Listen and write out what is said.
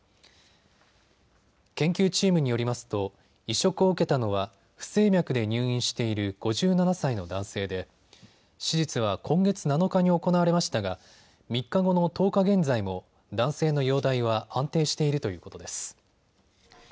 研究チームによりますと移植を受けたのは不整脈で入院している５７歳の男性で手術は今月７日に行われましたが３日後の１０日現在も男性の容体は安定しているということです。